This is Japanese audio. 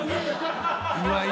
岩井